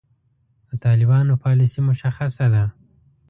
د طالبانو پالیسي مشخصه ده.